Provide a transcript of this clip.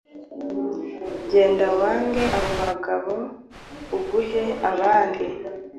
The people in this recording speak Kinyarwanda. genda wange abo bagabo uguhe abandi.